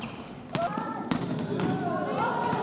สุดท้ายสุดท้ายสุดท้าย